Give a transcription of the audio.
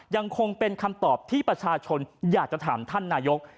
ยังคงเป็นคำตอบที่ประชาชนอยากจะถามท่านนายก